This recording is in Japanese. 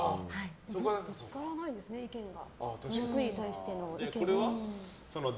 ぶつからないんですね、意見が。